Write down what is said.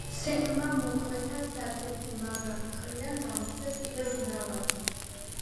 სემმა მოკვეთა საცეცი, მაგრამ წყლიდან გამოჩნდა კიდევ მრავალი.